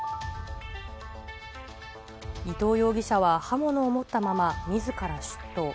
伊藤容疑者は刃物を持ったまま、みずから出頭。